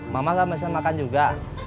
mama gak bisa makan juga